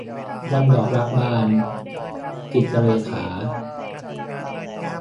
วันดอกรักบาน - จิตรเรขา